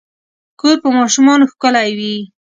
کور په ماشومانو ښکلے وي